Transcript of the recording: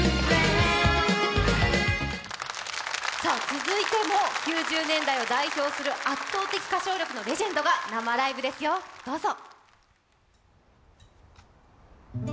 続いても９０年代を代表する圧倒的歌唱力のレジェンドが生ライブですよ、どうぞ。